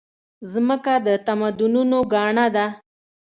مځکه د تمدنونو ګاڼه ده.